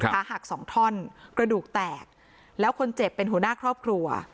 ขาหักสองท่อนกระดูกแตกแล้วคนเจ็บเป็นหัวหน้าครอบครัว